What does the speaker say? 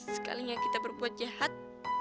sekalinya kita berbuat jahat